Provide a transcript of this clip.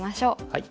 はい。